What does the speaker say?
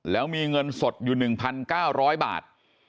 แล้วมีเงินสดอยู่๑๙๐๐บาท